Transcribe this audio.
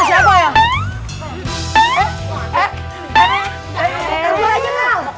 eh mau ke mana